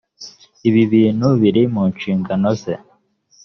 ibi bintu bir mu nshingano ze